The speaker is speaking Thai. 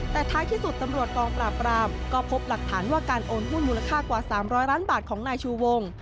แต่ท้ายที่สุดตำรวจกองปราบรามก็พบหลักฐานว่าการโอนหุ้นมูลค่ากว่า๓๐๐ล้านบาทของนายชูวง